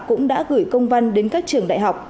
cũng đã gửi công văn đến các trường đại học